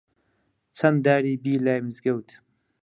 چەن داری بی لای مزگەوت